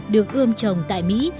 được ươm trồng tại mỹ